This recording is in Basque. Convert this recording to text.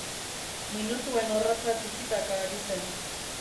Minutuen orratza tiki-taka ari zen.